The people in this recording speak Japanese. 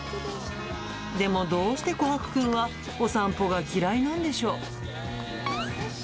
でもどうしてコハクくんはお散歩が嫌いなんでしょう。